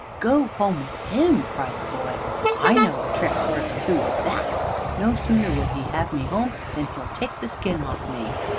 "Go home with him!" cried the boy. "I know a trick worth two of that. No sooner will he have me home than he'll take the skin off me.